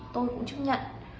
tôi cũng chấp nhận